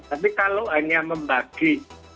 tapi kalau hanya membagi